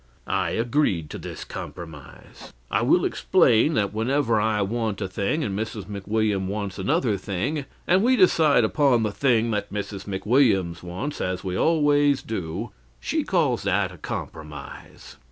I agreed to this compromise. I will explain that whenever I want a thing, and Mrs. McWilliams wants another thing, and we decide upon the thing that Mrs. McWilliams wants as we always do she calls that a compromise.